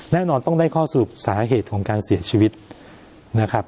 แน่นอนต้องได้ข้อสรุปสาเหตุของการเสียชีวิตนะครับ